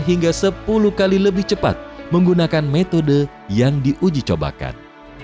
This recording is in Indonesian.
hingga sepuluh kali lebih cepat menggunakan metode yang diuji cobakan